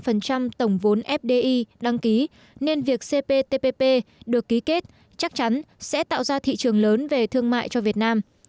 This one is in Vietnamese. tổng vốn fdi đăng ký nên việc cptpp được ký kết chắc chắn sẽ tạo ra thị trường lớn về thương mại cho việt nam